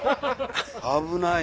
危ない。